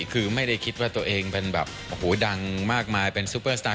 คือไม่ได้คิดว่าตัวเองเป็นแบบโอ้โหดังมากมายเป็นซุปเปอร์สตาร์